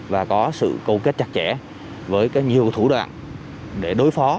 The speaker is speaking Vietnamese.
và có sự cầu kết chặt chẽ với nhiều thủ đoạn để đối phó